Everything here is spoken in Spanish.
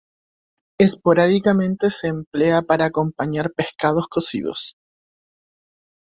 Esporádicamente se emplea para acompañar pescados cocidos.